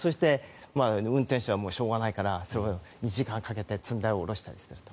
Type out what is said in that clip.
運転手はしょうがないから２時間かけて積んだり下ろしたりすると。